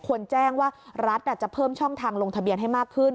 ควรแจ้งว่ารัฐจะเพิ่มช่องทางลงทะเบียนให้มากขึ้น